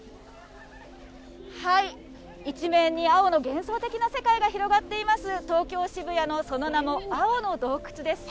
一面に青の幻想的な世界が広がっています、東京・渋谷のその名も、青の洞窟です。